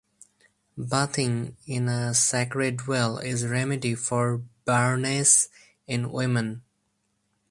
Bathing in a sacred well is a remedy for barrenness in women.